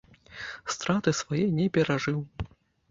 Страты свае не перажыў.